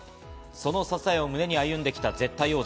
その支えを胸に歩んできた絶対王者。